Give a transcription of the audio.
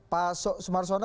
pak soek sumarwana